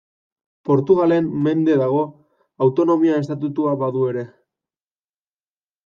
Portugalen mende dago, autonomia-estatutua badu ere.